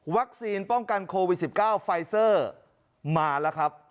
ป้องกันโควิด๑๙ไฟเซอร์มาแล้วครับ